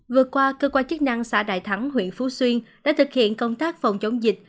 vừa qua cơ quan chức năng xã đại thắng huyện phú xuyên đã thực hiện công tác phòng chống dịch